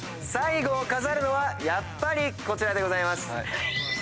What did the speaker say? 最後を飾るのはやっぱりこちらでございます。